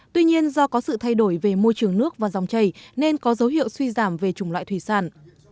tuy nhiên do có sự thay đổi về môi trường nước và dòng chảy nên có dấu hiệu suy giảm về chủng loại thủy sản